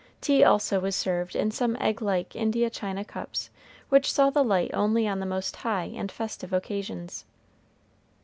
Tea also was served in some egg like India china cups, which saw the light only on the most high and festive occasions.